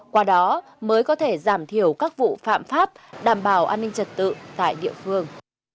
qua đó mới có thể giảm thiểu các vụ phạm pháp đảm bảo an ninh trật tự tại địa phương